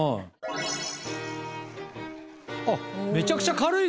あっめちゃくちゃ軽いね。